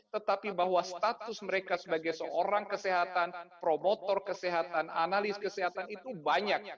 tetapi bahwa status mereka sebagai seorang kesehatan promotor kesehatan analis kesehatan itu banyak